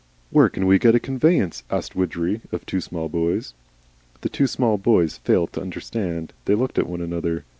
"Where can we get a conveyance?" asked Widgery of two small boys. The two small boys failed to understand. They looked at one another.